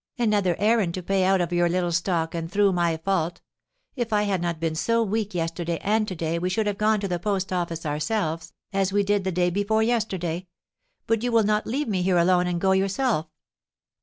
Another errand to pay out of your little stock, and through my fault. If I had not been so weak yesterday and to day we should have gone to the post office ourselves, as we did the day before yesterday; but you will not leave me here alone and go yourself."